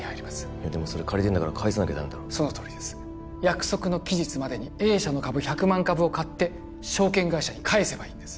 いやでもそれ借りてんだから返さなきゃダメだろそのとおりです約束の期日までにＡ社の株１００万株を買って証券会社に返せばいいんです